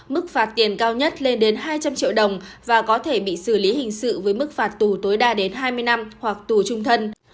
mức phạt tiền cao nhất lên đến hai trăm linh triệu đồng và có thể bị xử lý hình sự với mức phạt tù tối đa đến hai mươi năm hoặc tù trung thân